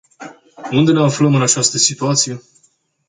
Unde ne aflăm în această situație?